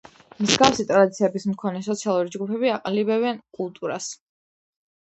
მსგავსი ტრადიციების მქონე სოციალური ჯგუფები აყალიბებენ კულტურას.